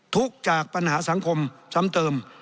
ทุกข์จากปัญหาสังคมซ้ำเติม